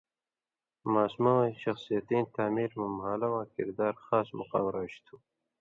ماسُمہۡ وَیں شخصیتیں تعمیر مہ مھالہ واں کردار خاص مُقام راڇھیۡ تُھو۔